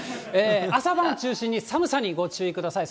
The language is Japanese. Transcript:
朝晩中心に寒さにご注意ください。